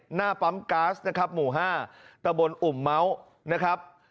หน้าปั๊มก๊าซนะครับหมู่๕ตะบนอุ่มเมาส์นะครับ